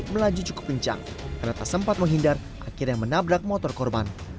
melaju cukup kencang karena tak sempat menghindar akhirnya menabrak motor korban